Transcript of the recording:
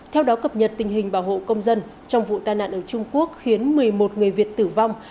theo đó cập nhật tình hình bảo hộ công dân trong vụ tai nạn ở trung quốc khiến một mươi một người việt tử vong